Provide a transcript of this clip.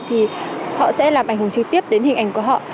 thì họ sẽ làm ảnh hưởng trực tiếp đến hình ảnh của họ